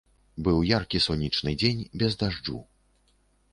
Быў яркі сонечны дзень, без дажджу.